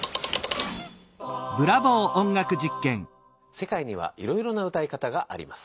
せかいにはいろいろな歌い方があります。